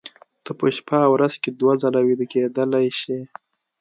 ته په شپه ورځ کې دوه ځله ویده کېدلی شې